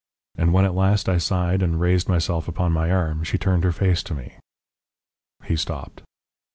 And when at last I sighed and raised myself upon my arm she turned her face to me " He stopped.